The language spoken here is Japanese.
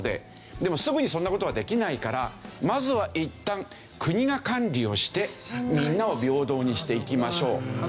でもすぐにそんな事はできないからまずはいったん国が管理をしてみんなを平等にしていきましょうというのが社会主義。